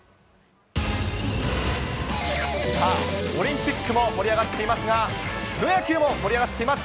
さあ、オリンピックも盛り上がっていますが、プロ野球も盛り上がっています、